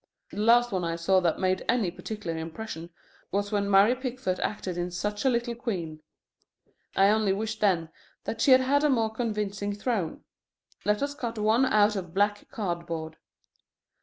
The last one I saw that made any particular impression was when Mary Pickford acted in Such a Little Queen. I only wished then that she had a more convincing throne. Let us cut one out of black cardboard.